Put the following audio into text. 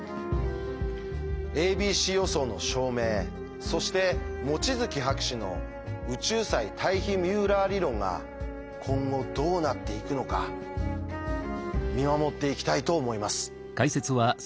「ａｂｃ予想」の証明そして望月博士の「宇宙際タイヒミューラー理論」が今後どうなっていくのか見守っていきたいと思います。